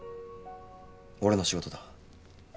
俺の仕事だ。